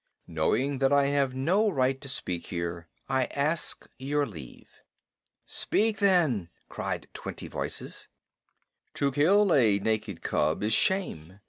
"Knowing that I have no right to speak here, I ask your leave." "Speak then," cried twenty voices. "To kill a naked cub is shame.